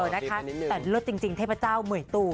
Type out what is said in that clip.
นะคะแต่เลิศจริงเทพเจ้าเหมือยตู